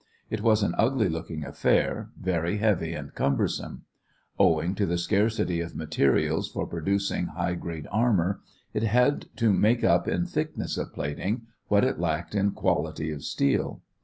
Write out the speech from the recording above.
It was an ugly looking affair, very heavy and cumbersome. Owing to the scarcity of materials for producing high grade armor, it had to make up in thickness of plating what it lacked in quality of steel.